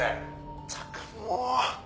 「ったくもう」